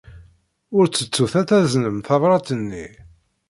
Ur ttettut ad taznem tabṛat-nni.